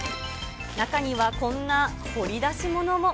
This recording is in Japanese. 中にはこんな掘り出し物も。